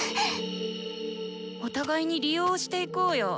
お互いに利用していこうよ。